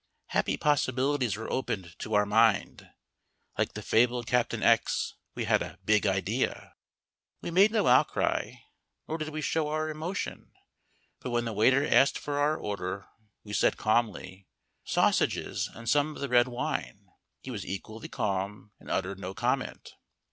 Happy possibilities were opened to our mind. Like the fabled Captain X, we had a Big Idea. We made no outcry, nor did we show our emotion, but when the waiter asked for our order we said, calmly: "Sausages and some of the red wine." He was equally calm and uttered no comment.